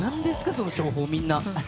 その情報、みんな。